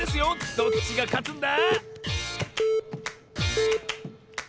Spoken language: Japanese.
どっちがかつんだ？